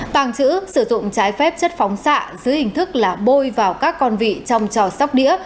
tàng trữ sử dụng trái phép chất phóng xạ dưới hình thức là bôi vào các con vị trong trò sóc đĩa